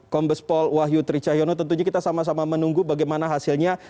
kombes paul wahyu tricah yono tentunya kita sama sama menunggu bagaimana hasilnya